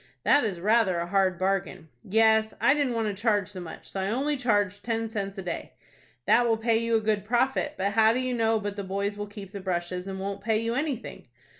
"That is rather a hard bargain." "Yes, I didn't want to charge so much. So I only charged ten cents a day." "That will pay you a good profit; but how do you know but the boys will keep the brushes, and won't pay you anything?"